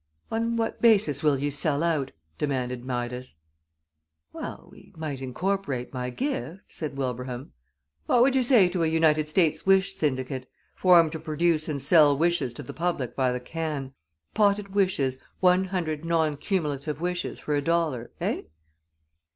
"On what basis will you sell out?" demanded Midas. "Well, we might incorporate my gift," said Wilbraham. "What would you say to a United States Wish Syndicate, formed to produce and sell wishes to the public by the can POTTED WISHES: ONE HUNDRED NON CUMULATIVE WISHES FOR A DOLLAR. Eh?"